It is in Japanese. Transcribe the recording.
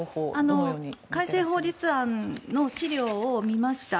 改正法律案の資料を見ました。